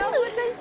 ya ampun tasya